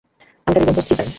আমি তাদের বন্ধু, স্টিভেন।